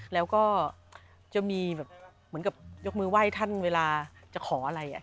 แล้วก็จะมีแบบเหมือนกับยกมือไหว้ท่านเวลาจะขออะไร